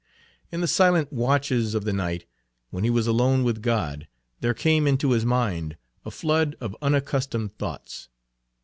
In the silent watches of the night, when he was alone with God, there came into his mind a flood of unaccustomed thoughts.